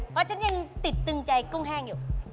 เพราะฉันยังติดตึงใจกุ้งแห้งอยู่